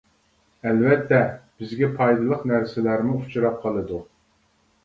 ئەلۋەتتە، بىزگە پايدىلىق نەرسىلەرمۇ ئۇچراپ قالىدۇ.